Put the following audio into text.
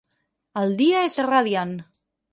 El dia és radiant.